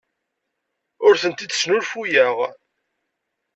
Ur tent-id-snulfuyeɣ.